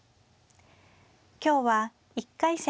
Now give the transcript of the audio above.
今日は１回戦